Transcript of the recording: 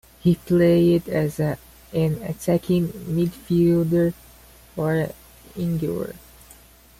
He played as an attacking midfielder or a winger.